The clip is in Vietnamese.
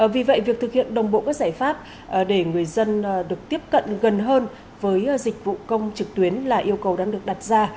vì vậy việc thực hiện đồng bộ các giải pháp để người dân được tiếp cận gần hơn với dịch vụ công trực tuyến là yêu cầu đang được đặt ra